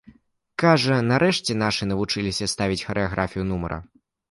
Кажа, нарэшце нашы навучыліся ставіць харэаграфію нумара.